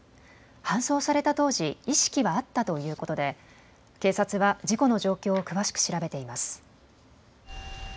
搬送された当時、意識はあったということで警察は事故の状況を詳しく調べています。